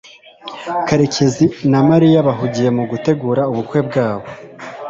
karekezi na mariya bahugiye mu gutegura ubukwe bwabo